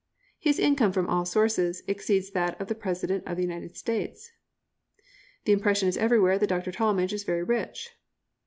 "His income, from all sources, exceeds that of the President of the United States." "The impression is everywhere that Dr. Talmage is very rich."